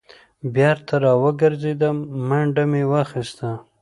بېرته را وګرځېدم منډه مې واخیسته.